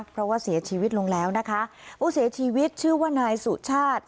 เพราะว่าเสียชีวิตลงแล้วนะคะผู้เสียชีวิตชื่อว่านายสุชาติ